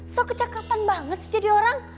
so kecakapan banget sih jadi orang